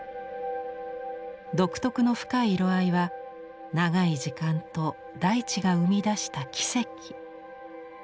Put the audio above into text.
独特の深い色合いは長い時間と大地が生み出した奇跡。